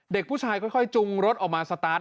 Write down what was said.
เด็กผู้ชายค่อยจุงรถออกมาสตาร์ท